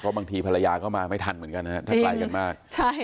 บางทีภรรยาก็มาไม่ทันเหมือนกันนะครับถ้าไกลกันมาก